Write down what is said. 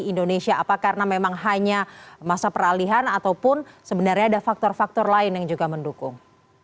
indonesia apa karena memang hanya masa peralihan ataupun sebenarnya ada faktor faktor lain yang juga mendukung